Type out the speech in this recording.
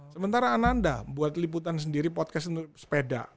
sementara ananda buat liputan sendiri podcast sepeda